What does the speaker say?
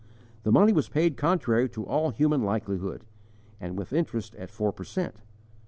The money was paid contrary to all human likelihood, and with interest at four per cent.